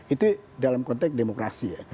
itu dalam konteks demokrasi ya